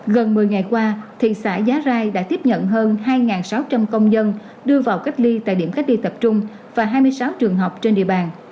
gần một mươi ngày qua thị xã giá rai đã tiếp nhận hơn hai sáu trăm linh công dân đưa vào cách ly tại điểm cách ly tập trung và hai mươi sáu trường học trên địa bàn